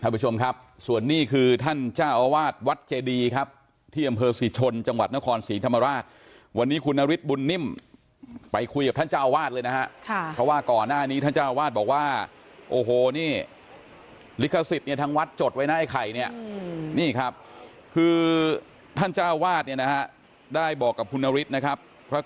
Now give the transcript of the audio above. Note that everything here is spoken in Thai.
พี่มนต์หรือว่าท่านอาจารย์แว่นนะครับ